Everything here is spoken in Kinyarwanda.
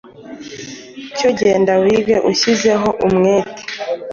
Cyo genda wige ushyizeho umwete;